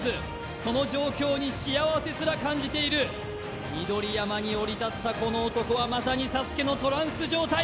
その状況に幸せすら感じている緑山に降り立ったこの男はまさにＳＡＳＵＫＥのトランス状態